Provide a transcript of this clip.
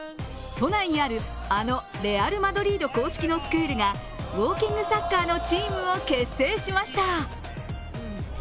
都内にある、あのレアル・マドリード公式のスクールがウォーキングサッカーのチームを結成しました。